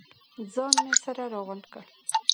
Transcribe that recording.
ځان مې سره راغونډ کړ.